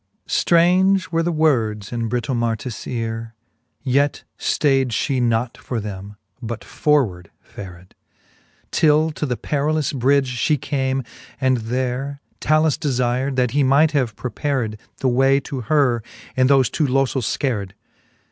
xxxvin. Strange were the words in Britomartis eare ; Yet ftayd fhe not for them, but forward fared, Till to the perillous bridge fhe came, and there Talus defir'd, that he might have prepared The way to her, and thofe two lofels feared.